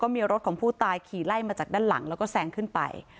มีรถของผู้ตายขี่ไล่มาจากด้านหลังแล้วก็แซงขึ้นไป